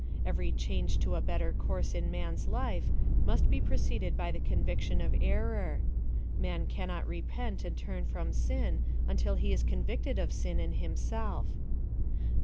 Every change to a better course in man's life, must be preceded by a cojiviction of error man cannot repent and turn from sin till he is convicted of sin in himself Now.